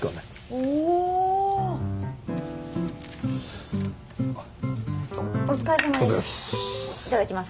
お疲れさまです。